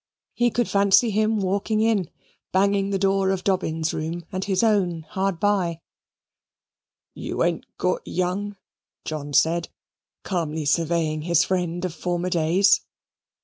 He could fancy him walking in, banging the door of Dobbin's room, and his own hard by "You ain't got young," John said, calmly surveying his friend of former days.